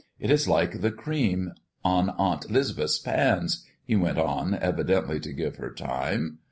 It is like the cream on Aunt 'Lisbeth's pans," he went on, evidently to give her time.